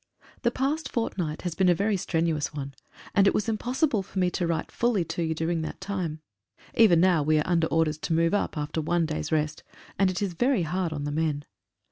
HE past fortnight has been a very strenuous one, and it was impossible for me to write fully to you during that time. Even now we are under orders to move up after one day's rest, and it is very hard on the men.